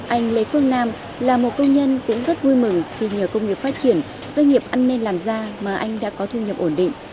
anh lê phương nam là một công nhân cũng rất vui mừng khi nhờ công nghiệp phát triển doanh nghiệp ăn nên làm ra mà anh đã có thu nhập ổn định